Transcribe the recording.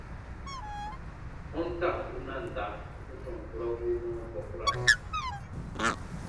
Ponta u nanda u tɔn kurɔbu nɔɔ bɔkura.